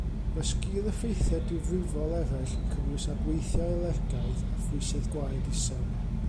Mae sgil-effeithiau difrifol eraill yn cynnwys adweithiau alergaidd a phwysedd gwaed isel.